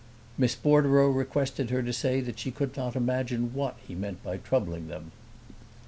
"Miss Bordereau requested her to say that she could not imagine what he meant by troubling them.